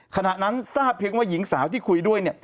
ขณะนั้นทราบเพียงว่าหญิงสาวที่คุยด้วย